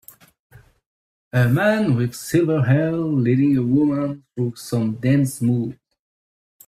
A man with silver hair leading a woman through some dance moves.